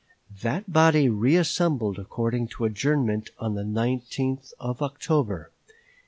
That body reassembled according to adjournment on the 19th of October.